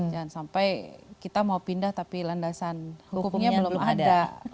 jangan sampai kita mau pindah tapi landasan hukumnya belum ada